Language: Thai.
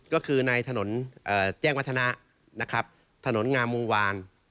ก็คือในถนนแจ้งวัฒนะถนนงามวาง